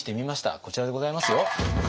こちらでございますよ。